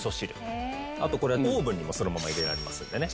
あとこれオーブンにもそのまま入れられますんでね。